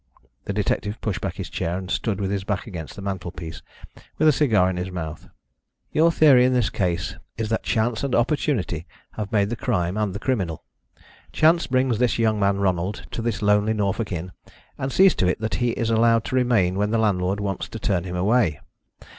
The detective pushed back his chair, and stood with his back against the mantelpiece, with a cigar in his mouth. "Your theory in this case is that chance and opportunity have made the crime and the criminal. Chance brings this young man Ronald to this lonely Norfolk inn, and sees to it that he is allowed to remain when the landlord wants to turn him away.